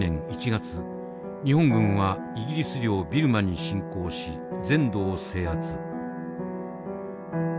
日本軍はイギリス領ビルマに進攻し全土を制圧。